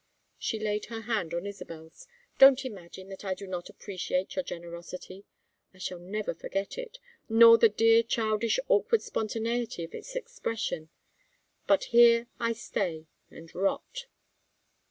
She laid her hand on Isabel's. "Don't imagine that I do not appreciate your generosity. I shall never forget it nor the dear childish awkward spontaneity of its expression. But here I stay and rot."